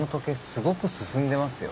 すごく進んでますよ。